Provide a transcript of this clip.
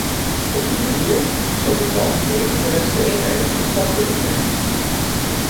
Op die manier zal dit land nooit de gewenste eenheid tot stand kunnen brengen.